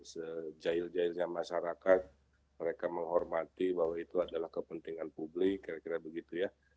sejail jahilnya masyarakat mereka menghormati bahwa itu adalah kepentingan publik kira kira begitu ya